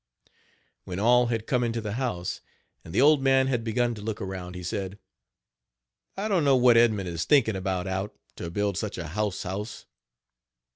When all had come into the house, and the old man had begun to look around, he said: "I don't know what Edmund is thinking about out to build such a house house."